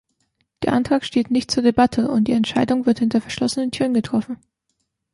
Der Antrag steht nicht zur Debatte, und die Entscheidung wird hinter verschlossenen Türen getroffen.